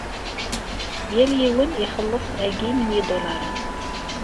Yal yiwen ixelleṣ agim n yidulaṛen.